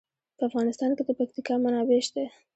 په افغانستان کې د پکتیکا منابع شته.